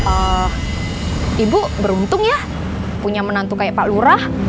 eh ibu beruntung ya punya menantu kayak pak lurah